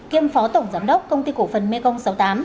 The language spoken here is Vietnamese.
kiêm phó tổng giám đốc công ty cổ phần mê công sáu mươi tám